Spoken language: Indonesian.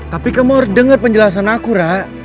tapi kamu harus dengar penjelasan aku rak